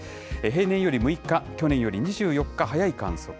平年より６日、去年より２４日早い観測。